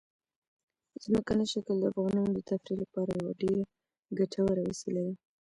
ځمکنی شکل د افغانانو د تفریح لپاره یوه ډېره ګټوره وسیله ده.